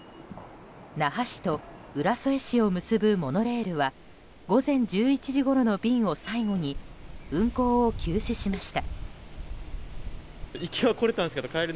那覇市と浦添市を結ぶモノレールは午前１１時ごろの便を最後に運行を休止しました。